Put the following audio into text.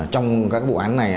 trong các vụ án này